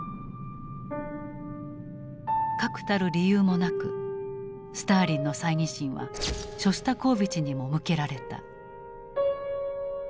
確たる理由もなくスターリンの猜疑心はショスタコーヴィチにも向けられた。